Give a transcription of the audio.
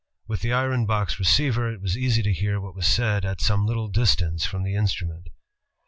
With the iron box receiver, it was easy to hear what was said at some little distance from the instrument.